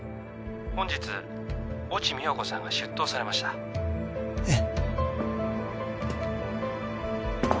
☎本日越智美穂子さんが出頭されましたえッ